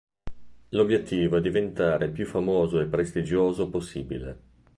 L'obiettivo è diventare più famoso e prestigioso possibile.